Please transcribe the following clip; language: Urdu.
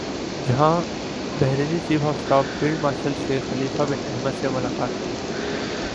جہاں بحرینی chief of staff field marshal Sheikh Khalifa bin Ahmed سے ملاقات کی